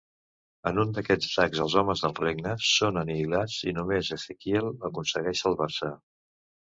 En un d'aquests atacs els homes del Regne són anihilats i només Ezequiel aconsegueix salvar-se.